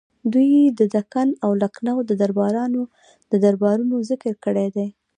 دوی د دکن او لکنهو د دربارونو ذکر کړی دی.